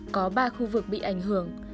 có ba khu vực bị ảnh hưởng